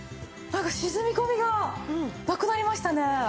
なんか沈み込みがなくなりましたね。